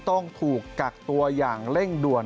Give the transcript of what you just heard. ต้องถูกกักตัวอย่างเร่งด่วน